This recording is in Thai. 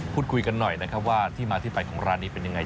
พูดคุยกันหน่อยนะครับว่าที่มาที่ไปของร้านนี้เป็นยังไง